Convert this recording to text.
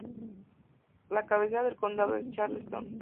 La cabecera del condado es Charleston.